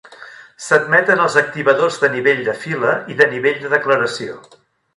S'admeten els activadors de nivell de fila i de nivell de declaració.